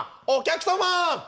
「お客様！」。